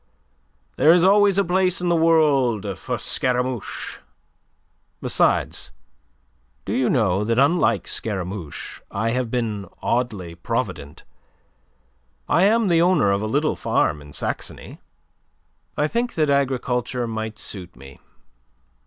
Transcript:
There is always a place in the world for Scaramouche. Besides, do you know that unlike Scaramouche I have been oddly provident? I am the owner of a little farm in Saxony. I think that agriculture might suit me.